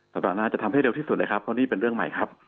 สัปดาห์หน้าจะทำให้เร็วที่สุดเลยครับเพราะนี่เป็นเรื่องใหม่ครับ